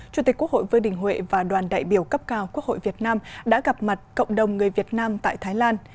chủ tịch quốc hội vương đình huệ và đoàn đại biểu cấp cao quốc hội việt nam đã gặp mặt cộng đồng người việt nam tại thái lan